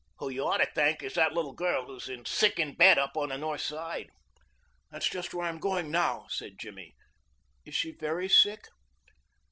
"Who you ought to thank is that little girl who is sick in bed up on the north side." "That's just where I am going now," said Jimmy. "Is she very sick?"